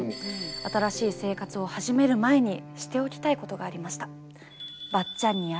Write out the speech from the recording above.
新しい生活を始める前にしておきたいことがありました。